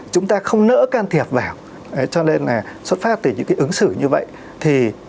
chúng ta không nỡ can thiệp vào cho nên là xuất phát từ những cái ứng xử như vậy thì